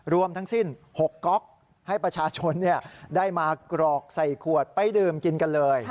รวมทั้งสิ้น๖ก๊อกให้ประชาชนได้มากรอกใส่ขวดไปดื่มกินกันเลย